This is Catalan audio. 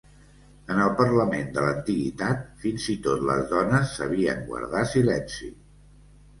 En el parlament de l'antiguitat, fins i tot les dones sabien guardar silenci.